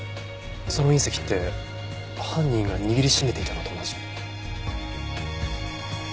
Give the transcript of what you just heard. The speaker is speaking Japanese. その隕石って犯人が握り締めていたのと同じ。